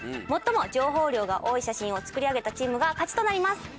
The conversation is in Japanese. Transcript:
最も情報量が多い写真を作り上げたチームが勝ちとなります。